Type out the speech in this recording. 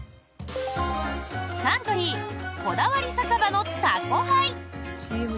サントリーこだわり酒場のタコハイ。